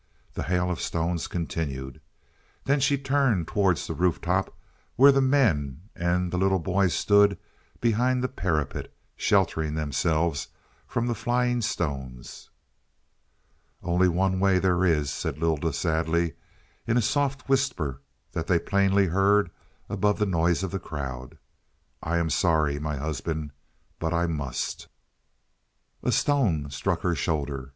The hail of stones continued. Then she turned towards the roof top, where the men and the little boy stood behind the parapet, sheltering themselves from the flying stones. "Only one way there is," said Lylda sadly, in a soft whisper that they plainly heard above the noise of the crowd. "I am sorry, my husband but I must." A stone struck her shoulder.